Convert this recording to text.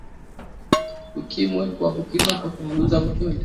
ukimwi hauambukizwi kwa kumgusa mtu aliyeathirika